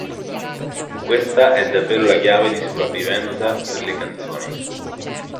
Questa è davvero la chiave di sopravvivenza per le canzoni.